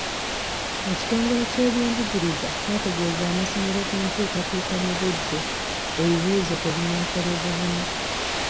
Ekitongole ky'ebyenjigiriza kyategeeza amasomero ku nkyukakyuka mu budde ebibuuzo kwe binaakolebwamu.